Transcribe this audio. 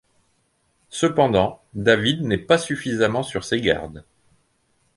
Cependant, David n'est pas suffisamment sur ses gardes.